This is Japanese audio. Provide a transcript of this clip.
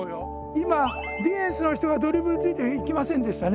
今ディフェンスの人がドリブルついていきませんでしたね。